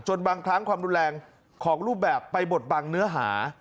บางครั้งความรุนแรงของรูปแบบไปบดบังเนื้อหา